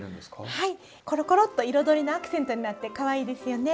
はいころころっと彩りのアクセントになってかわいいですよね。